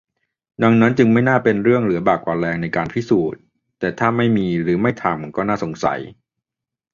ดังนั้นจึงไม่น่าเป็นเรื่องเหลือบ่ากว่าแรงในการพิสูจน์ แต่ถ้าไม่มีหรือไม่ทำ ก็น่าสงสัย